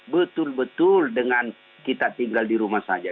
betul betul dengan kita tinggal di rumah saja